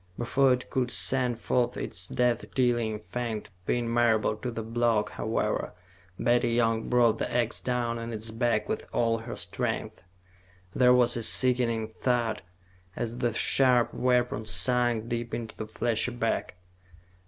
Before it could send forth its death dealing fang to pin Marable to the block, however, Betty Young brought the ax down on its back with all her strength. There was a sickening thud as the sharp weapon sunk deep into the fleshy back.